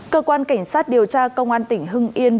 cơ quan cảnh sát điều tra công an tỉnh hưng yên